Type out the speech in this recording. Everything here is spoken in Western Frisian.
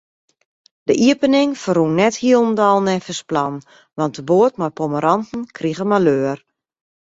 De iepening ferrûn net hielendal neffens plan, want de boat mei pommeranten krige maleur.